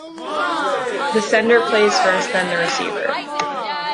The sender plays first, then the receiver.